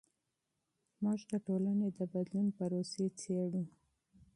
موږ د ټولنې د بدلون پروسې څیړو.